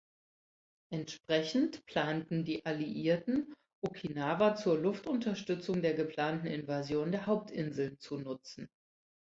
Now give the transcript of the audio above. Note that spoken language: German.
Entsprechend planten die Alliierten, Okinawa zur Luftunterstützung der geplanten Invasion der Hauptinseln zu nutzen.